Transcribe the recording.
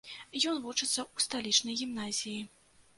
Ён вучыцца ў сталічнай гімназіі.